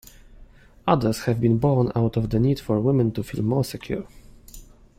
Others have been born out of the need for women to feel more secure.